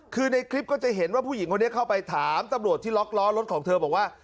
คือในคลิปก็จะเห็นว่าผู้หญิงคนนี้เข้าไปถามตำรวจที่ล็อกล้อรถของเธอบอกว่า